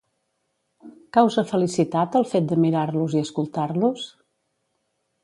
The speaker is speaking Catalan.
Causa felicitat, el fet de mirar-los i escoltar-los?